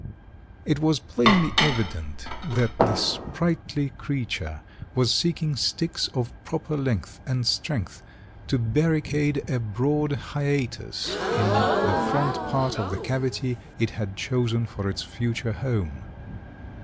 It was plainly evident that the sprightly creature was seeking sticks of proper length and strength to barricade a broad hiatus in the front part of the cavity it had chosen for its future home.